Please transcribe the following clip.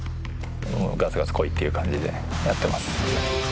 ガツガツこいっていう感じでやってます。